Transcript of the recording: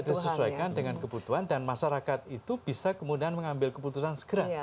disesuaikan dengan kebutuhan dan masyarakat itu bisa kemudian mengambil keputusan segera